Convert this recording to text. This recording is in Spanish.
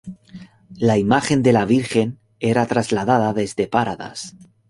La imagen de la Virgen era trasladada desde Paradas.